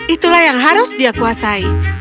itulah yang harus dia kuasai